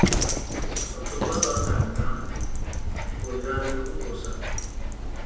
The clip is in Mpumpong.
Otombá ɓa kan náǎ, gō yaa lúk mbosa.